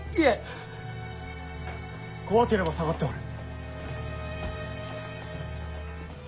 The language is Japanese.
怖ければ下がっておれ。